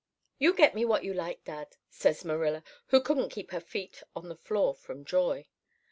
"'You get me what you like, dad,' says Marilla, who couldn't keep her feet on the floor from joy.